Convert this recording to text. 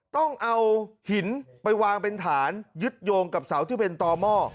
ต้องเอาหินไปวางเป็นฐานยึดโยงกับเสาที่เป็นต่อหม้อ